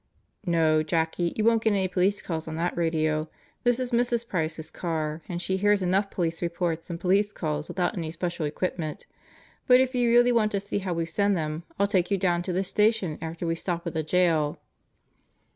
"No, Jackie, you won't get any Police Calls on that radio. This is Mrs. Price's car and she hears enough Police reports and Police Calls without any special equipment. But if you really want to see how we send them I'll take you down to tie Station after we stop at the jail."